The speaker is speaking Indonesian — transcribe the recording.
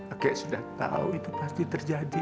oke sudah tahu itu pasti terjadi